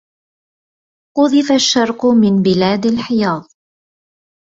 قذف الشرق من بلاد الحياض